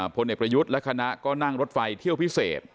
พลเอกประยุทธ์และคณะก็นั่งรถไฟเที่ยวพิเศษ